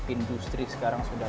industri sekarang sudah